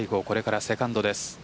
これからセカンドです。